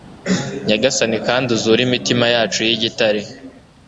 Nyagasani kandi uzure imitima yacu yigitare